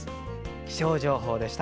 気象情報でした。